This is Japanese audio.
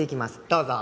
どうぞ。